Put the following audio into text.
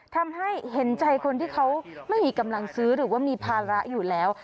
ทำให้เห็นใจคนที่เขาไม่มีกำลังซื้อหรือว่ามีภาระอยู่แล้ว